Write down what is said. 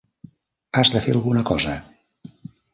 Has de fer alguna cosa!